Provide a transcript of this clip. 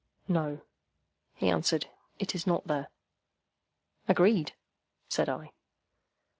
"No," he answered. "It is not there." "Agreed," said I.